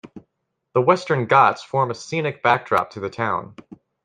The Western Ghats form a scenic backdrop to the town.